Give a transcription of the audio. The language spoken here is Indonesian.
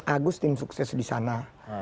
agus tim sukses di sana